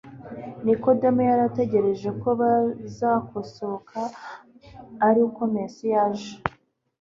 Nikodemu yari ategereje ko bizakosoka ari uko Mesiya aje.